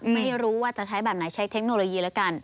ไม่รู้ว่าจะใช้แบบไหนใช้เทคโนโลยีแล้วกัน